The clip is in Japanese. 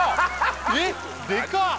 えっでかっ！